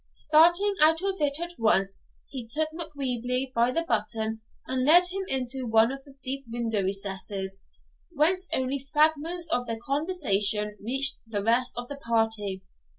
Starting out of it at once, he took Macwheeble by the button and led him into one of the deep window recesses, whence only fragments of their conversation reached the rest of the party.